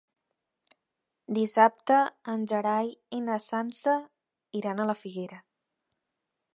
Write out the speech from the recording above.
Dissabte en Gerai i na Sança iran a la Figuera.